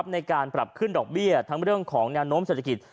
ในการปรับขึ้นดอกเบี้ยทั้งเรื่องของแนวโน้มเศรษฐกิจ